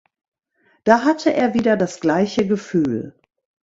Da hatte er wieder das gleiche Gefühl.